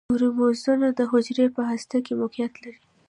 کروموزومونه د حجرې په هسته کې موقعیت لري